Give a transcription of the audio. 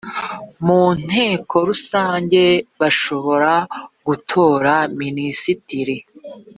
mu nteko rusange bashobora gutora minisitiri